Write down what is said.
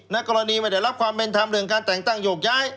กรณีไม่ได้รับความเป็นธรรมเรื่องการแต่งตั้งโยกย้าย